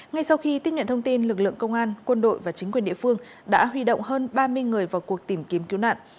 ngay sau khi tiếp nhận thông tin lực lượng công an quân đội và chính quyền địa phương đã huy động hơn ba mươi người vào cuộc tìm kiếm cứu nạn